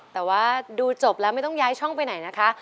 แต่ว่าดูจบแล้วไม่ต้องย้ายช่องไปไหนนะคะ